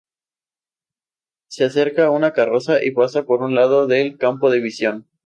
Se acerca una carroza, y pasa por un lado del campo de visión.